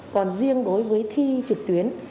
còn riêng đối với thi trực tuyến